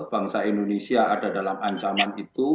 bangsa indonesia ada dalam ancaman itu